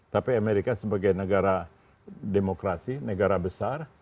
tapi amerika sebagai negara demokrasi negara besar